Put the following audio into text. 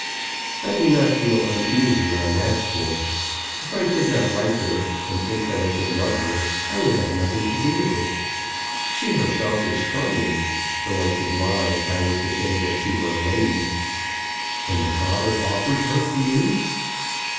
"I do not feel uneasy on that score. If I did not like her, and think that I could love her, I would have nothing to do with it. She herself is charming, though I should lie if I were to say that she were a lady." "And the father offered her to you?"